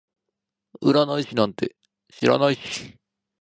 占い師なんて知らないし